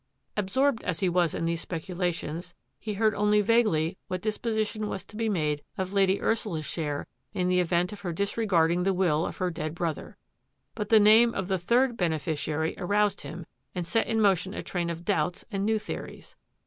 Absorbed as he was in these speculations, he heard only vaguely what disposition was to be made of Lady Ursula's share in the event of her disre garding the will of her dead brother. But the name of the third beneficiary aroused him and set in motion a train of doubts and new theories.